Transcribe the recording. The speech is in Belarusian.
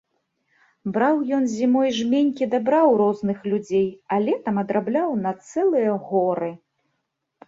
Браў ён зімой жменькі дабра ў розных людзей, а летам адрабляў на цэлыя горы.